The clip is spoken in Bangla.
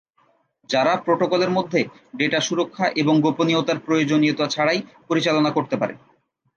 যারা প্রোটোকলের মধ্যে ডেটা সুরক্ষা এবং গোপনীয়তার প্রয়োজনীয়তা ছাড়াই পরিচালনা করতে পারে।